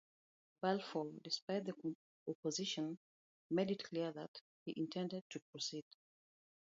Balfour, despite the opposition, made it clear that he intended to proceed.